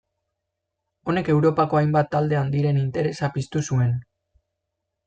Honek Europako hainbat talde handiren interesa piztu zuen.